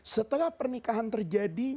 setelah pernikahan terjadi